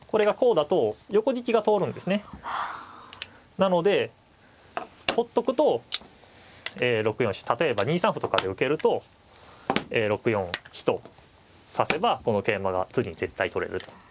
なのでほっとくと６四飛車例えば２三歩とかで受けると６四飛と指せばこの桂馬が次に絶対取れると。